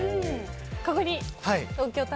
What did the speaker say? ここに東京タ